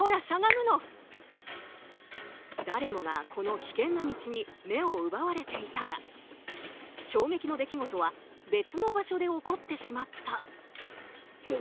誰もがこの危険な道に目を奪われていたが衝撃の出来事は別の場所で起こってしまった。